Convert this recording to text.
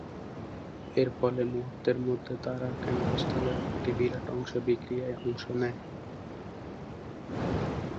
এর ফলে মুহূর্তের মধ্যে তারার কেন্দ্রস্থলের একটি বিরাট অংশ বিক্রিয়ায় অংশ নেয়।